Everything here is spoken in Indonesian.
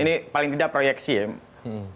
ini paling tidak proyeksi ya